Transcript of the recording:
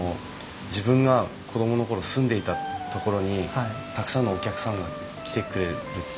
自分が子供の頃住んでいた所にたくさんのお客さんが来てくれるって。